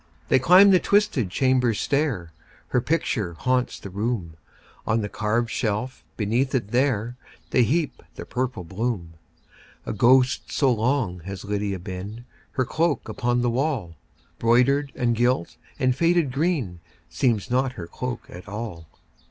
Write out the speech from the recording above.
They climb the twisted chamber stair; Her picture haunts the room; On the carved shelf beneath it there, They heap the purple bloom. A ghost so long has Lydia been, Her cloak upon the wall, Broidered, and gilt, and faded green, Seems not her cloak at all.